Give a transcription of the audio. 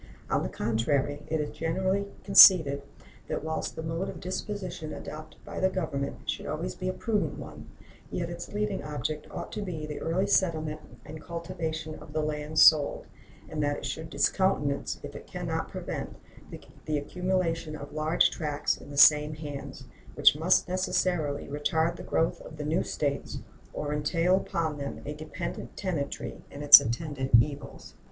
On the contrary, it is generally conceded that whilst the mode of disposition adopted by the Government should always be a prudent one, yet its leading object ought to be the early settlement and cultivation of the lands sold, and that it should discountenance, if it can not prevent, the accumulation of large tracts in the same hands, which must necessarily retard the growth of the new States or entail upon them a dependent tenantry and its attendant evils.